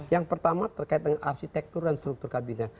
yang pertama terkait dengan arsitektur dan struktur kabinet